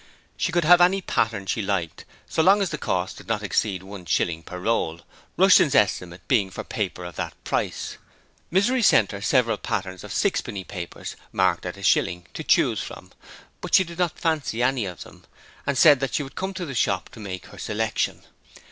She could have any pattern she liked so long as the cost did not exceed one shilling per roll, Rushton's estimate being for paper of that price. Misery sent her several patterns of sixpenny papers, marked at a shilling, to choose from, but she did not fancy any of them, and said that she would come to the shop to make her selection.